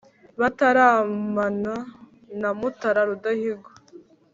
bataramana na mutara rudahigwa